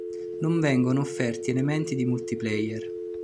Non vengono offerti elementi di multiplayer.